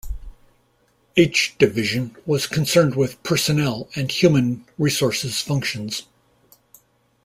H Division was concerned with Personnel and Human Resources functions.